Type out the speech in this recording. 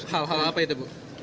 hal hal apa itu bu